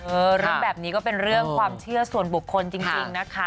เรื่องแบบนี้ก็เป็นเรื่องความเชื่อส่วนบุคคลจริงนะคะ